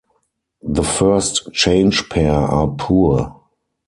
The first-change pair are poor.